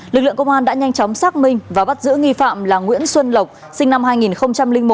lực lượng công an đã nhanh chóng xác minh và bắt giữ nghi phạm là nguyễn xuân lộc sinh năm hai nghìn một